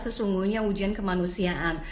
sesungguhnya ujian kemanusiaan